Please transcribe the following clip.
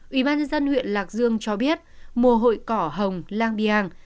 ủy ban dân huyện lạc dương cho biết mùa hội cỏ hồng lang biang